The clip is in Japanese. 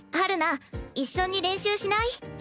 陽菜一緒に練習しない？